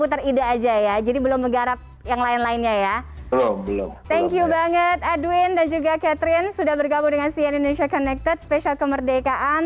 thank you banget edwin dan juga catherine sudah bergabung dengan cn indonesia connected spesial kemerdekaan